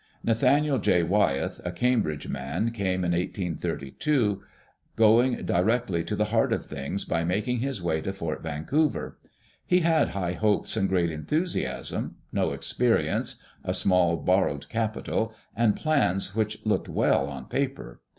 Nathaniel J. Wyeth, a Cambridge man, came in 1832, going di rectly to the heart of diings by making his way to Fort Vancouver. He had high hopes and great enthusiasm, no experience, a small, bor rowed capital, and plans which looked well on paper.